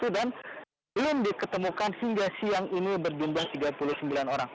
dan belum diketemukan hingga siang ini berjumlah tiga puluh sembilan orang